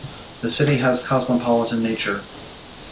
The city has cosmopolitan nature.